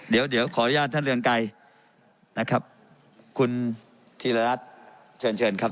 เดี๋ยวขออนุญาตท่านเรือร์ไกรนะครับคุณธีรรรัฐเชิญครับ